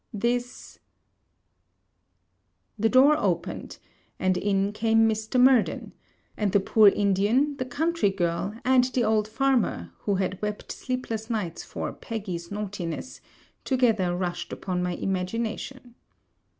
This ' The door opened, and in came Mr. Murden; and the poor Indian, the country girl, and the old farmer who had wept sleepless nights for Peggy's naughtiness, together rushed upon my imagination.